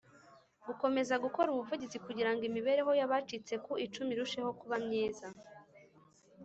Gukomeza gukora ubuvugizi kugira ngo imibereho y’abacitse ku icumu irusheho kuba myiza